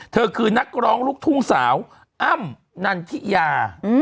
เธอคือนักร้องลูกทุ่งสาวอ้ำนันทิยา